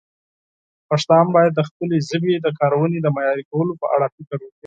پښتانه باید د خپلې ژبې د کارونې د معیاري کولو په اړه فکر وکړي.